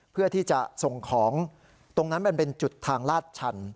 เพื่อที่จะส่งของตรงนั้นมันเป็นจุดทางลาดชัน